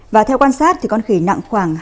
và theo quan sát thì con khỉ nặng khoảng hai mươi kg